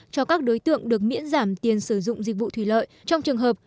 cho các đối tượng được miễn giảm tiền sử dụng dịch vụ thủy lợi trong trường hợp